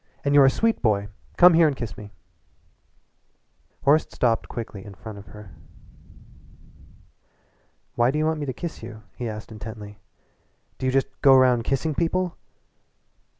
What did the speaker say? "And you're a sweet boy. Come here and kiss me." Horace stopped quickly in front of her. "Why do you want me to kiss you?" he asked intently, "Do you just go round kissing people?"